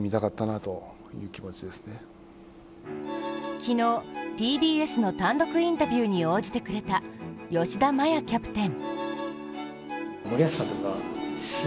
昨日、ＴＢＳの単独インタビューに応じてくれた吉田麻也キャプテン。